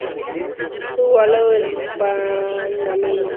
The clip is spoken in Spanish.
Jugó al lado del panameño internacional Luis Tejada y Freddy Guarín.